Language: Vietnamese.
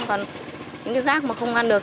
còn những cái rác mà không ăn được